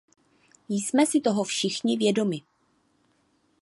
Jsme si toho všichni vědomi.